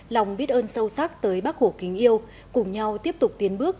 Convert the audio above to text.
lòng biết ơn sâu sắc tới bác hổ kính yêu cùng nhau tiếp tục tiến bước